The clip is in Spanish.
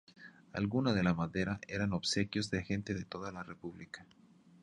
Alguna de la madera eran obsequios de gente de toda la república.